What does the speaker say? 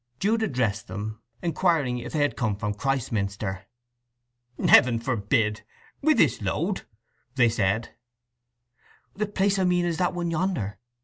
Jude addressed them, inquiring if they had come from Christminster. "Heaven forbid, with this load!" said they. "The place I mean is that one yonder."